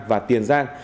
và tiền giang